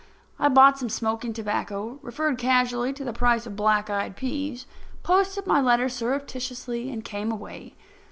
I bought some smoking tobacco, referred casually to the price of black eyed peas, posted my letter surreptitiously and came away.